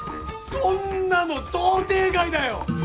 そんなの想定外だよ！